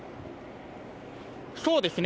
そうですね。